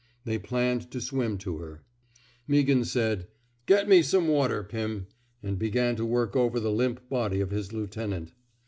They planned to swim to her. Meaghan said, Get me some water, Pim,'* and began to work over the limp body of his lieutenant.